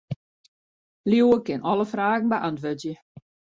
Liuwe kin alle fragen beäntwurdzje.